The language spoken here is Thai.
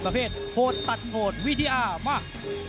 ประเภทโหดตัดโหดวิทยามาก